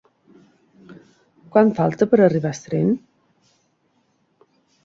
Quant falta per a arribar el tren?